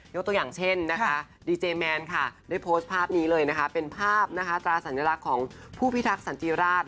ตัวอย่างเช่นนะคะดีเจแมนค่ะได้โพสต์ภาพนี้เลยนะคะเป็นภาพนะคะตราสัญลักษณ์ของผู้พิทักษันจิราช